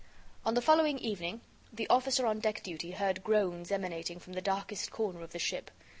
On the following evening, the officer on deck duty heard groans emanating from the darkest corner of the ship.